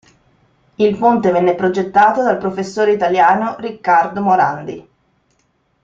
Il ponte venne progettato dal professore italiano Riccardo Morandi.